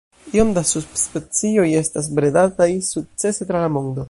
Iom da subspecioj estas bredataj sukcese tra la mondo.